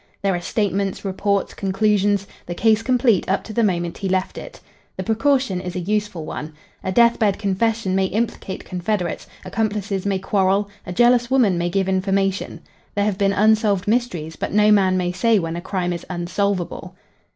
There are statements, reports, conclusions the case complete up to the moment he left it. The precaution is a useful one. A death bed confession may implicate confederates, accomplices may quarrel, a jealous woman may give information. There have been unsolved mysteries, but no man may say when a crime is unsolvable.